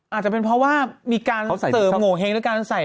อาจจะเป็นเพราะว่ามีการเสริมโงเห้งด้วยการใส่